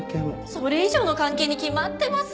それ以上の関係に決まってますよ。